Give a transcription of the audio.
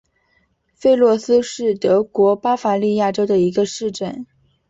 弗洛斯是德国巴伐利亚州的一个市镇。